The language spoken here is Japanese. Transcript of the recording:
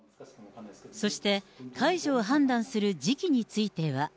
そして、解除を判断する時期については。